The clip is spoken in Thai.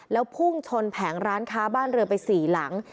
แล้วพุ่งชนแผงร้านค้าบ้านเรือไป๔หลัง